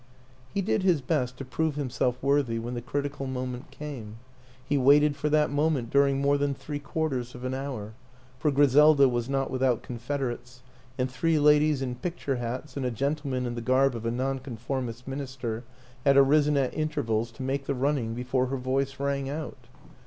He did his best to prove himself worthy when the critical moment came. He waited for that moment during more than three quarters of an hour for Griselda was not without confeder ates, and three ladies in picture hats and a gentle man in the garb of a Nonconformist minister had arisen at intervals to make the running before her voice rang out.